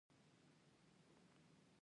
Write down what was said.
ایرانیان ترکیې ته د سیاحت لپاره ځي.